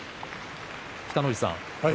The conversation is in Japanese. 北の富士さん